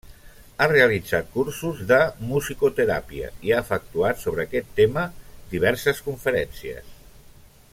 Ha realitzat cursos de musicoteràpia i ha efectuat sobre aquest tema diverses conferències.